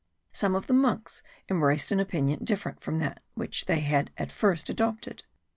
Some of the monks embraced an opinion different from that which they had at first adopted.